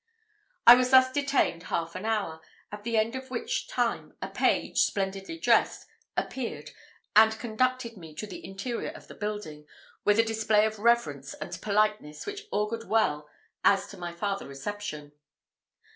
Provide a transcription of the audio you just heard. I was thus detained half an hour, at the end of which time a page, splendidly dressed, appeared, and conducted me to the interior of the building, with a display of reverence and politeness which augured well as to my farther reception.